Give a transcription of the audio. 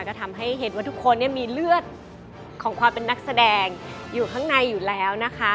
ก็ทำให้เห็นว่าทุกคนมีเลือดของความเป็นนักแสดงอยู่ข้างในอยู่แล้วนะคะ